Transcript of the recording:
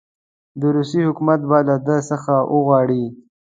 د روسیې حکومت به له ده څخه وغواړي.